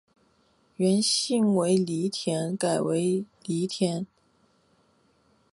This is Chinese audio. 原姓为薮田改成薮田。